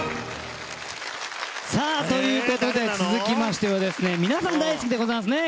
ということで続きましては皆さん大好きでございますね